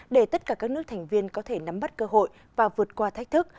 để tất cả các nước thành viên có thể nắm bắt cơ hội và vượt qua thách thức